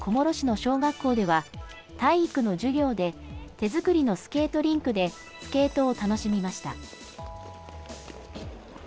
長野県小諸市の小学校では、体育の授業で手作りのスケートリンクでスケートを楽しみました。